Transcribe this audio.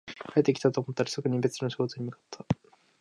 帰ってきたと思ったら、すぐに別の仕事に向かった